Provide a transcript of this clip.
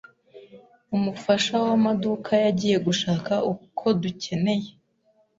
Umufasha wamaduka yagiye gushaka uko dukeneye.